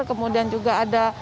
kemudian juga ada